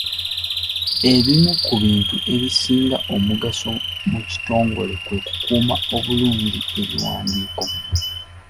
Ebimu ku bintu ebisinga omugaso mu kitongole kwe kukuuma obulungi ebiwandiiko.